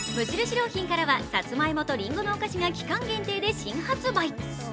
良品からはさつまいもとりんごのお菓子が期間限定で新発売。